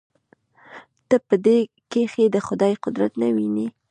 ته په دې کښې د خداى قدرت نه وينې.